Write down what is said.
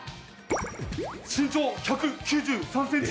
身長１９３ｃｍ！